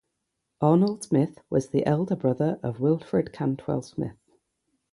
Arnold Smith was the elder brother of Wilfred Cantwell Smith.